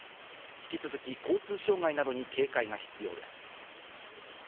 引き続き、交通障害などに警戒が必要です。